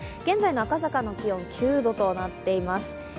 現在の赤坂の気温９度となっています。